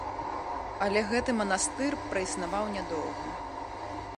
Але гэты манастыр праіснаваў нядоўга.